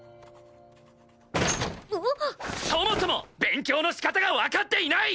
そもそも勉強の仕方がわかっていない！